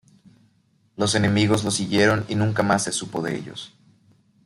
Los enemigos lo siguieron y nunca más se supo de ellos.